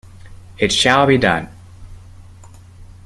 It shall be done!